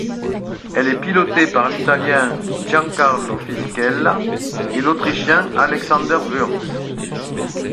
Elle est pilotée par l'Italien Giancarlo Fisichella et l'Autrichien Alexander Wurz.